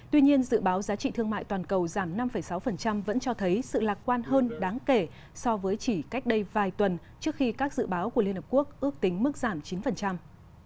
tuy nhiên dự báo giá trị thương mại toàn cầu giảm năm sáu vẫn cho thấy sự lạc quan hơn đáng kể so với chỉ cách đây vài tuần trước khi các dự báo của liên hợp quốc ước tính mức giảm chín